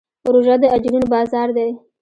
روژه د اجرونو بازار دی.